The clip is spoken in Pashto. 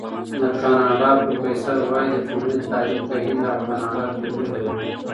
د کاناډا پروفیسور وايي، د ټولنې تعریف په هند او کاناډا توپیر لري.